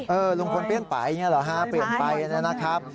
เออลุงพลเปลี่ยนไปเปลี่ยนไปนะครับ